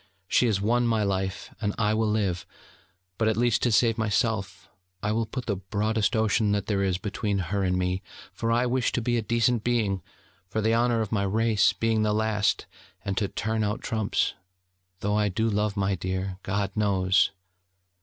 She has won my life, and I will live.... But at least, to save myself, I will put the broadest Ocean that there is between her and me: for I wish to be a decent being, for the honour of my race, being the last, and to turn out trumps ... though I do love my dear, God knows....'